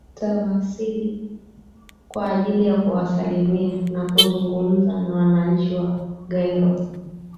Atawasili kwa ajili ya kuwasalimia na kuzungumza na wananchi wa Gairo